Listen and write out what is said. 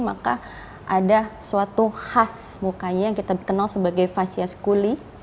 maka ada suatu khas mukanya yang kita kenal sebagai fasiaskuli